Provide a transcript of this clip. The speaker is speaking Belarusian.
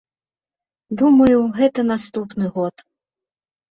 Думаю, гэта наступны год.